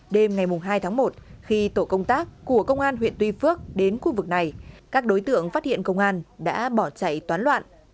đêm ngày hai tháng một khi tổ công tác của công an huyện tuy phước đến khu vực này các đối tượng phát hiện công an đã bỏ chạy toán loạn